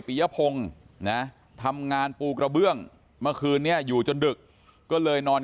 ยพงศ์นะทำงานปูกระเบื้องเมื่อคืนนี้อยู่จนดึกก็เลยนอน